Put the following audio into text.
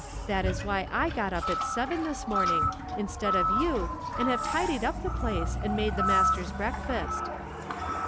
That is why I got up at seven this morning instead of you and have tidied up the place and made the master's breakfast.'